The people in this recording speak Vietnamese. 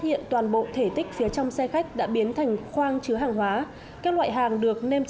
hiện toàn bộ thể tích phía trong xe khách đã biến thành khoang chứa hàng hóa các loại hàng được nêm